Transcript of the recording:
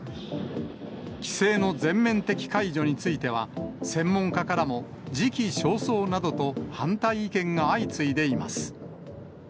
規制の全面的解除については、専門家からも時期尚早などと反対意見が相次いでいます。